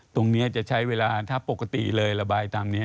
ตรงนี้จะใช้เวลาถ้าปกติเลยระบายตามนี้